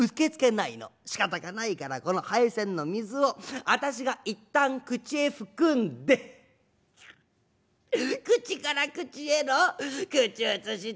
しかたがないからこの杯洗の水を私が一旦口へ含んで口から口への口移しってことになるけどもね。